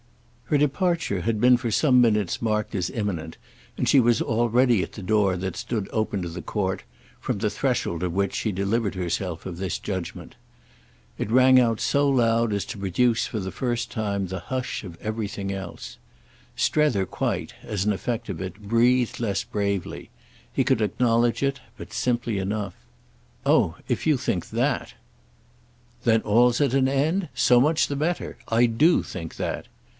Her departure had been for some minutes marked as imminent, and she was already at the door that stood open to the court, from the threshold of which she delivered herself of this judgement. It rang out so loud as to produce for the time the hush of everything else. Strether quite, as an effect of it, breathed less bravely; he could acknowledge it, but simply enough. "Oh if you think that—!" "Then all's at an end? So much the better. I do think that!"